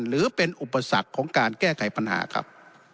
หรือเป็นอุปสรรคของการแก้ไขปัญหาครับ